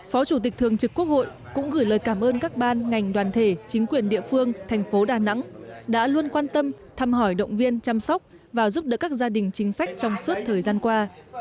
phó chủ tịch thường trực quốc hội cũng gửi lời cảm ơn các ban ngành đoàn thể chính quyền địa phương thành phố đà nẵng đã luôn quan tâm thăm hỏi động viên chăm sóc và giúp đỡ các gia đình chính sách trong suốt thời gian qua